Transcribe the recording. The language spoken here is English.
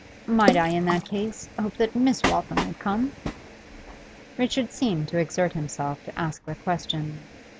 'Might I, in that case, hope that Miss Waltham would come?' Richard seemed to exert himself to ask the question. Mrs.